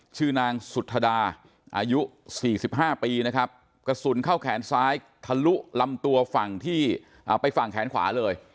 ชื่อนางสุธดาอายุ๔๕ปีนะครับกระสุนเข้าแขนซ้ายทะลุลำตัวฝั่งที่ไปฝั่งแขนขวาเลย